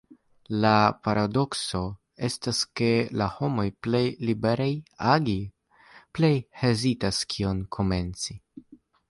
La paradokso estas ke la homoj plej liberaj agi, plej hezitas kion komenci.